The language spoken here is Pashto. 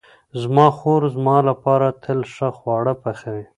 زما خور زما لپاره تل ښه خواړه پخوي.